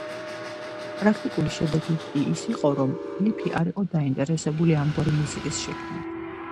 პრაქტიკული შედეგი კი ის იყო, რომ კლიფი არ იყო დაინტერესებული ამგვარი მუსიკის შექმნით.